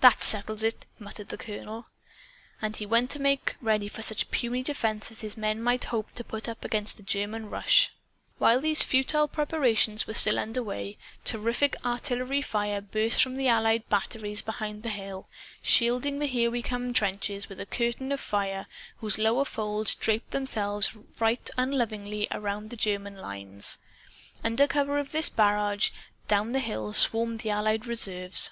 "That settles it!" muttered the colonel. And he went to make ready for such puny defense as his men might hope to put up against the German rush. While these futile preparations were still under way, terrific artillery fire burst from the Allied batteries behind the hill, shielding the Here We Come trenches with a curtain of fire whose lower folds draped themselves right unlovingly around the German lines. Under cover of this barrage, down the hill swarmed the Allied reserves!